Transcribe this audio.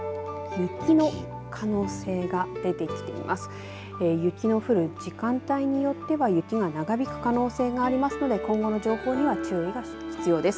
雪の降る時間帯によっては雪が長引く可能性がありますので今後の情報には注意が必要です。